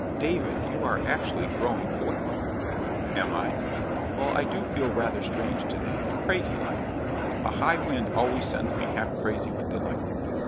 "David, you are actually growing poetical." "Am I? Well, I do feel rather strange to day crazy like; a high wind always sends me half crazy with delight.